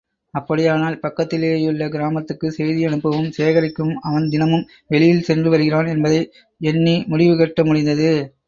அப்படியானால், பக்கத்திலேயுள்ள கிராமத்துக்கு செய்தியனுப்பவும் சேகரிக்கவும் அவன் தினமும் வெளியில் சென்று வருகிறான் என்பதை எண்ணி முடிவுகட்ட முடிந்தது.